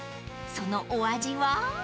［そのお味は？］